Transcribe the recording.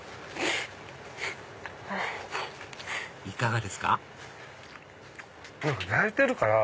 いかがですか？